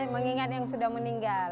mengingat yang sudah meninggal